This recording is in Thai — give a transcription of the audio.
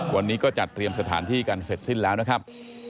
วันนี้ก็จัดเตรียมสถานที่กันเสร็จสิ้นแล้วนะครับ